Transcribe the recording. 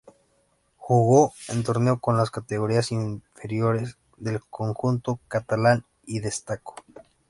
Jugó un torneo con las categorías inferiores del conjunto catalán y destacó.